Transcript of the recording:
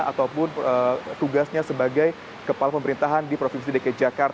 ataupun tugasnya sebagai kepala pemerintahan di provinsi dki jakarta